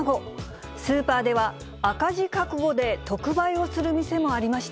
スーパーでは、赤字覚悟で特売をする店もありました。